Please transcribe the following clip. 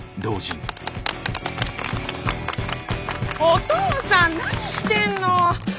お父さん何してんの！